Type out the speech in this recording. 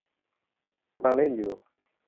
กำลังเล่นอยู่